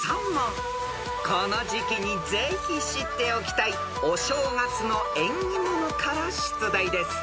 ［この時期にぜひ知っておきたいお正月の縁起物から出題です］